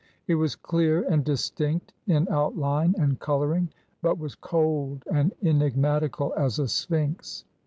It was clear and distinct in out line and colouring, but was cold and enigmatical as a Sphinx.